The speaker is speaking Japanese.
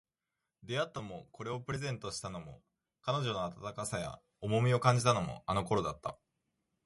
出会ったのも、これをプレゼントしたのも、彼女の温かさや重みを感じたのも、あの頃だった